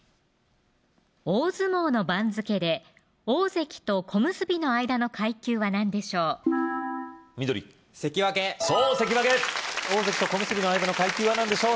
大相撲の番付で大関と小結の間の階級は何でしょう緑関脇そう